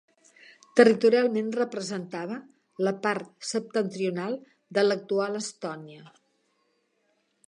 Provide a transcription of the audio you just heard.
Territorialment representava la part septentrional de l'actual Estònia.